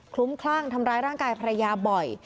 ลุ้มคลั่งทำร้ายร่างกายภรรยาบ่อย